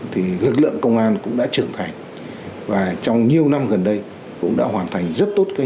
thì lực lượng công an cũng đã trưởng thành và trong nhiều năm gần đây cũng đã hoàn thành rất tốt